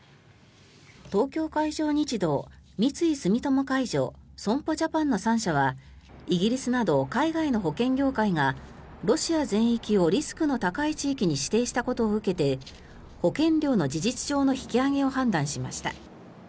東京海上日動、三井住友海上損保ジャパンの３社はイギリスなど海外の保険業界がロシア全域をリスクの高い地域に指定したことを受けて保険料の事実上の引き上げを判断しました。